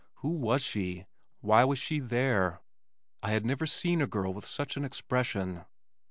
Who was she? Why was she there? I had never seen a girl with such an expression.